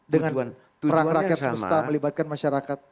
dengan perang rakyat semesta melibatkan masyarakat